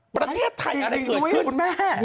ประเทศไทยอะไรเกิดขึ้น